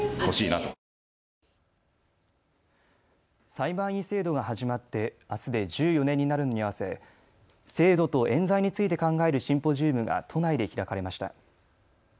裁判員制度が始まってあすで１４年になるのに合わせ制度とえん罪について考えるシンポジウムが都内で開かれました。